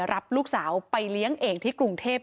รับลูกสาวไปเลี้ยงเองที่กรุงเทพ